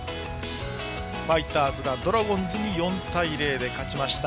ファイターズがドラゴンズに４対０で勝ちました